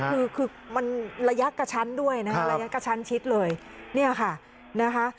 คือคือมันระยะกระชั้นด้วยนะคะระยะกระชั้นชิดเลยเนี่ยค่ะนะคะ